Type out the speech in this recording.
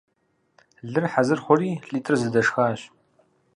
Лыр хьэзыр хъури, лӀитӀыр зэдэшхащ.